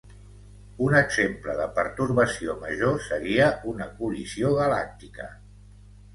Un exemple de pertorbació major seria una col·lisió galàctica.